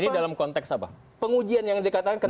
ini dalam konteks apa pengujian yang dikatakan